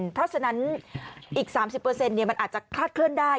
เพราะฉะนั้นอีก๓๐มันอาจจะคลาดเคลื่อนได้